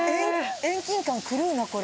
遠近感狂うなこれ。